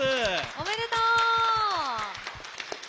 おめでとう！